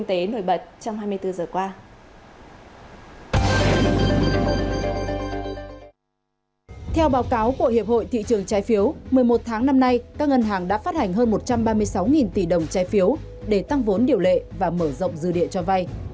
một mươi một tháng năm nay các ngân hàng đã phát hành hơn một trăm ba mươi sáu tỷ đồng trái phiếu để tăng vốn điệu lệ và mở rộng dư địa cho vay